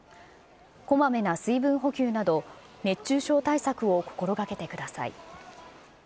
こまめな水分補給など、熱中症対策を心がけてください。